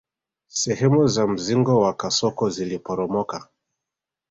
Sehemu za mzingo wa kasoko ziliporomoka